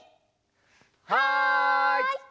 はい！